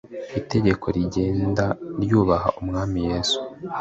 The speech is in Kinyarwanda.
Itegeko rigenda ryubaha Umwami Yesu